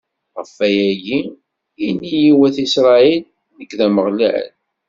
ɣef wayagi, ini i wat Isṛayil: Nekk, d Ameɣlal.